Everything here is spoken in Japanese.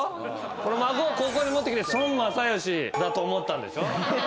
この「孫」をここに持ってきて孫正義だと思ったんでしょ？